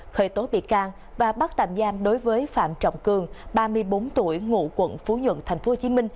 khởi tố bị can và bắt tạm giam đối với phạm trọng cường ba mươi bốn tuổi ngụ quận phú nhuận tp hcm